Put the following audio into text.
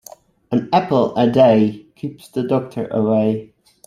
An apple a day keeps the doctor away.